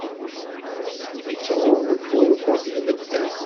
Ittɣunfu lqut n medden.